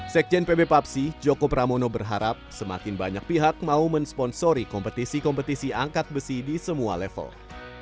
sekjen pb papsi joko pramono berharap semakin banyak pihak mau mensponsori kompetisi kompetisi angkat besi di semua level